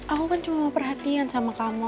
aku kan cuma perhatian sama kamu